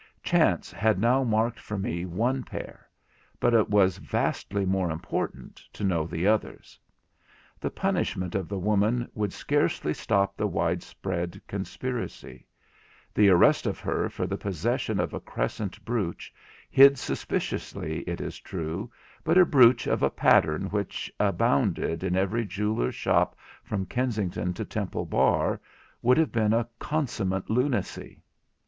Chance had now marked for me one pair; but it was vastly more important to know the others. The punishment of the woman would scarce stop the widespread conspiracy; the arrest of her for the possession of a crescent brooch, hid suspiciously it is true, but a brooch of a pattern which abounded in every jeweller's shop from Kensington to Temple Bar, would have been consummate lunacy.